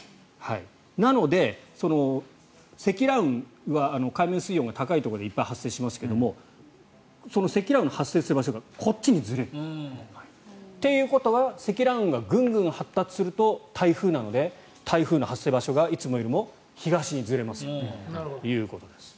なので、積乱雲は海面水温が高いところでいっぱい発生しますがその積乱雲が発生する場所がこっちにずれる。ということは積乱雲がぐんぐん発達すると、台風なので台風の発生場所が、いつもよりも東にずれますよということです。